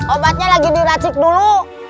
obatnya sudah diracik dulu